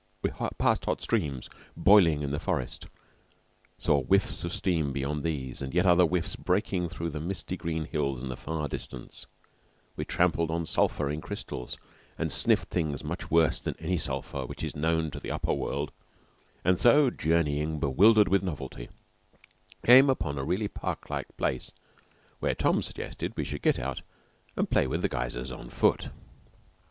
We passed hot streams boiling in the forest; saw whiffs of steam beyond these, and yet other whiffs breaking through the misty green hills in the far distance; we trampled on sulphur in crystals, and sniffed things much worse than any sulphur which is known to the upper world; and so journeying, bewildered with the novelty, came upon a really park like place where Tom suggested we should get out and play with the geysers on foot.